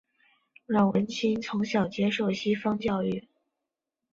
阮文清从小接受西方教育。